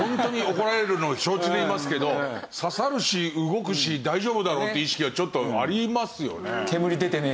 怒られるのを承知で言いますけど挿さるし動くし大丈夫だろうという意識はちょっとありますよね。